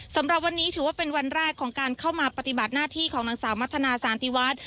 สำหรับวันนี้ถือว่าเป็นวันแรกของการเข้ามาปฏิบัติหน้าที่ของนางสาวมัธนาสานติวัฒน์